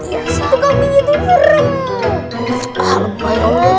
ya itu kambingnya tuh kerem